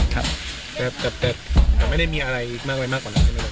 ครับแต่ไม่ได้มีอะไรมากมายมากกว่านั้นใช่ไหมครับ